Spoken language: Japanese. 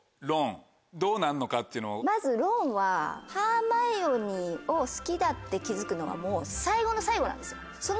まずロンはハーマイオニーを好きだって気付くのがもう最後の最後なんですよ。